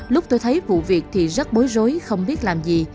lúc tôi thấy vụ việc thì rất bối rối không biết làm gì